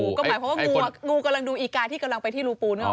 ก็หมายความว่างูกำลังดูอีกาที่กำลังไปที่รูปูนึกออก